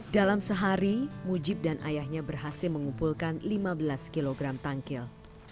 dalam sehari mujib dan ayahnya berhasil mengumpulkan lima belas kg tangkil